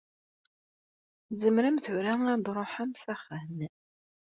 Tzemrem tura ad tṛuḥem ar wexxam.